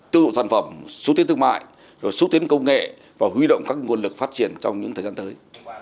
tiêu thụ sản phẩm xúc tiến thương mại rồi xúc tiến công nghệ và huy động các nguồn lực phát triển trong những thời gian tới